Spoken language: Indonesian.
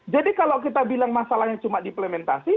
jadi kalau kita bilang masalahnya cuma diplementasi